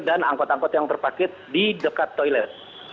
dan angkot angkot yang terpakit di dekat toilet